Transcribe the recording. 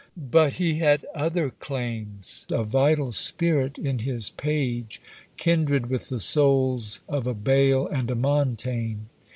But he had other claims: a vital spirit in his page, kindred with the souls of a Bayle and a Montaigne.